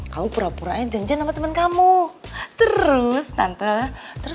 kamu pergunakan waktu itu